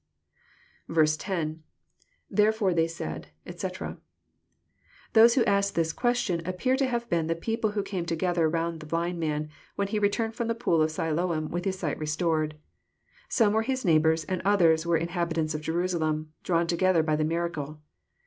*' 10. — [Therefore said they, etc.] Those who asked this question appear to have been the people who came together round the blind man, when he returned from the pool of Siloam with his sight restored. Some were his neighbours, and others were inhabitants of Jerusalem, drawn together by the miracle.